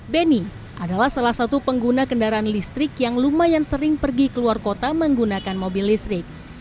benny adalah salah satu pengguna kendaraan listrik yang lumayan sering pergi ke luar kota menggunakan mobil listrik